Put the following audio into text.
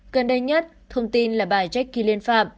gần đây nhất thông tin là bà jackie liên phạm